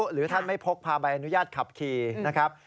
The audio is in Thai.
หรือท่านไม่พกพาใบอนุญาตขับขี่นะครับ